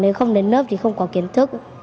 nếu không đến lớp thì không có kiến thức